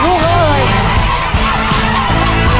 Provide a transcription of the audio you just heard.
ก็รอยละมือ